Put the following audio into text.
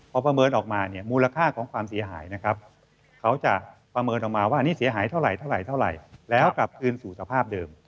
พอประเมินออกมาเนี่ยมูลค่าของความเสียหายนะครับเขาจะประเมินออกมาว่านี่เสียหายเท่าไหร่เท่าไหร่แล้วกลับคืนสู่สภาพเดิม